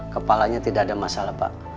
kepalanya tidak ada masalah pak